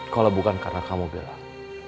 kalau bukan karena kamu bilang